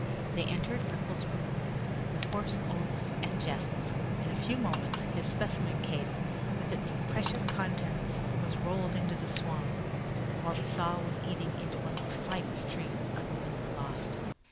They entered Freckles' room with coarse oaths and jests. In a few moments, his specimen case with its precious contents was rolled into the swamp, while the saw was eating into one of the finest trees of the Limberlost.